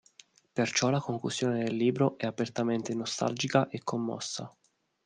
Perciò la conclusione del libro è apertamente nostalgica e commossa.